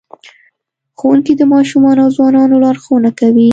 ښوونکی د ماشومانو او ځوانانو لارښوونه کوي.